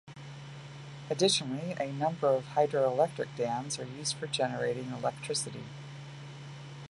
Additionally, a number of hydroelectric dams are used for generating electricity.